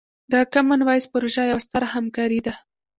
د کامن وایس پروژه یوه ستره همکارۍ ده.